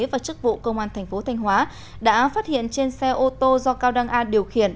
và chức vụ công an tp thanh hóa đã phát hiện trên xe ô tô do cao đăng an điều khiển